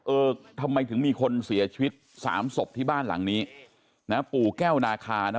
เออทำไมถึงมีคนเสียชีวิตสามศพที่บ้านหลังนี้นะปู่แก้วนาคานะ